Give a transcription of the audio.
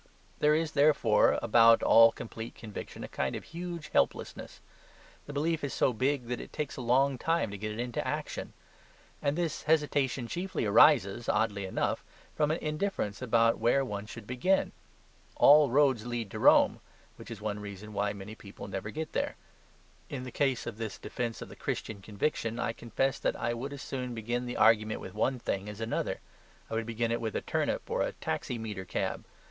There is, therefore, about all complete conviction a kind of huge helplessness. The belief is so big that it takes a long time to get it into action. And this hesitation chiefly arises, oddly enough, from an indifference about where one should begin. All roads lead to Rome; which is one reason why many people never get there. In the case of this defence of the Christian conviction I confess that I would as soon begin the argument with one thing as another; I would begin it with a turnip or a taximeter cab.